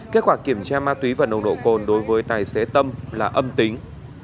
kết quả kiểm tra ma túy và nồng độ cồn đối với tài xế tâm là âm tính